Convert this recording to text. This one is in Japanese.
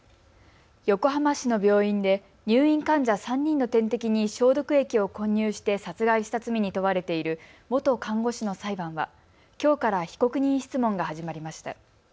横浜市の病院で入院患者３人の点滴に消毒液を混入して殺害した罪に問われている元看護師の裁判はきょうから被告人質問が始まりました。